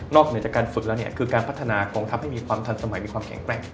เหนือจากการฝึกแล้วเนี่ยคือการพัฒนากองทัพให้มีความทันสมัยมีความแข็งแกร่ง